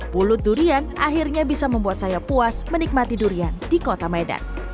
pulut durian akhirnya bisa membuat saya puas menikmati durian di kota medan